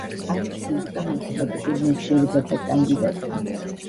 არის ფიზიკა-მათემატიკურ მეცნიერებათა კანდიდატი.